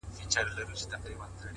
وخت د بې ځایه ځنډ مخالف دی